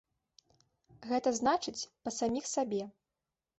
Гэта значыць, па саміх сабе.